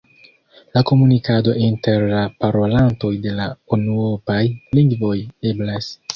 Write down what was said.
La komunikado inter la parolantoj de la unuopaj lingvoj eblas.